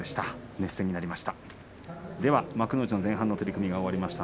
熱戦になりました。